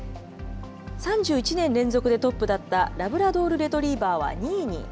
３１年連続でトップだったラブラドールレトリーバーは２位に。